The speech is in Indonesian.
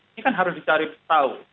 ini kan harus dicari tahu